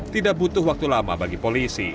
tidak butuh waktu lama bagi polisi